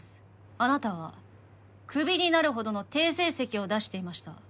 あなたはクビになるほどの低成績を出していました